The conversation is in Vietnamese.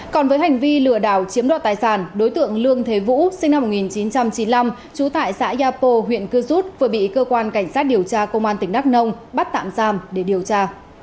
còn với hành vi lừa đảo chiếm đoạt tài sản đối tượng lương thế vũ sinh năm một nghìn chín trăm chín mươi năm trú tại xã yapo huyện cư rút vừa bị cơ quan cảnh sát điều tra công an tỉnh đắk nông bắt tạm giam để điều tra